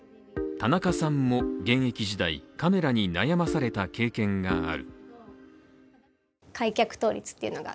田中さんも現役時代、カメラに悩まされた経験がある。